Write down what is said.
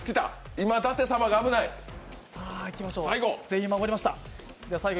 今、舘様が危ない、最後。